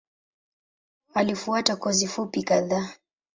Alifuata kozi fupi kadhaa.